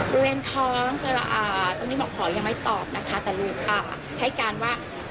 บริเวณท้องตรงนี้หมอขอยังไม่ตอบนะคะแต่ให้การว่า